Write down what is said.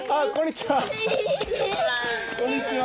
こんにちは。